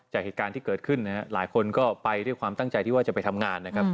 จากเหตุการณ์ที่เกิดขึ้นนะครับหลายคนก็ไปด้วยความตั้งใจที่ว่าจะไปทำงานนะครับ